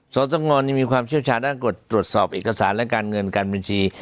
สตงมีความเชี่ยวชาญด้านกฎตรวจสอบเอกสารและการเงินการบัญชี